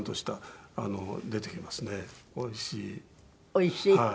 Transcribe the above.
おいしいの。